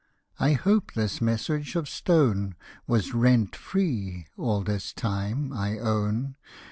53 (I hope this messuage of stone, Was rent free all this time, I own.)